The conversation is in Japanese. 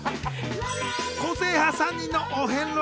個性派３人のお遍路